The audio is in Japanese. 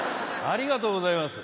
ありがとうございます。